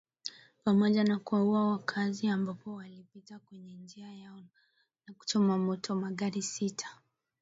pamoja na kuwaua wakaazi ambapo walipita kwenye njia yao na kuchoma moto magari sita